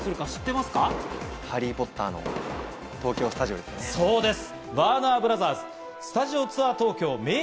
『ハリー・ポッター』の東京スタジオですね。